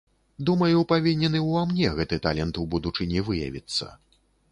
Думаю, павінен і ўва мне гэты талент у будучыні выявіцца.